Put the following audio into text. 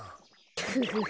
フフフ。